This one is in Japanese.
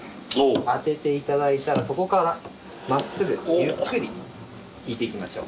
当てていただいたらそこから真っすぐゆっくり引いていきましょう。